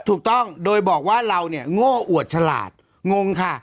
ถูกต้องโดยบอกว่าเราเนี่ยโง่อวดฉลาดงงค่ะ